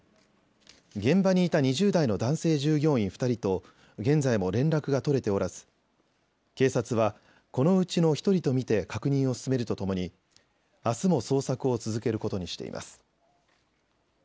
現場にいた２０代の男性従業員２人と現在も連絡が取れておらず警察はこのうちの１人と見て確認を進めるとともにあすも捜索を続けることにしています。